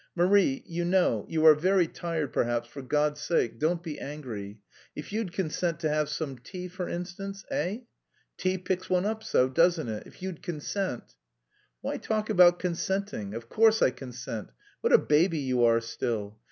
"Marie... you know... you are very tired, perhaps, for God's sake, don't be angry.... If you'd consent to have some tea, for instance, eh? Tea picks one up so, doesn't it? If you'd consent!" "Why talk about consenting! Of course I consent, what a baby you are still.